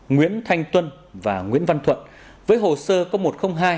nguyễn thanh tuân và nguyễn văn thuận với hồ sơ co một trăm linh hai